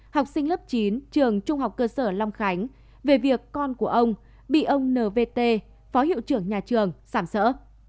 học sinh lớp chín trường trung học cơ sở long khánh về việc con của ông bị ông nvt phó hiệu trưởng nhà trường sảm sỡ